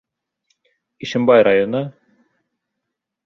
Ишембай районы: